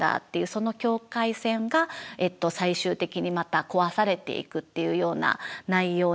その境界線が最終的にまた壊されていくっていうような内容になっていました。